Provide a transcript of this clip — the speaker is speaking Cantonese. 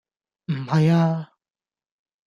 唔係啊